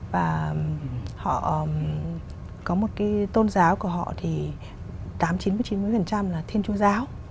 và họ có một cái tôn giáo của họ thì tám chín chín mươi là thiên chúa giáo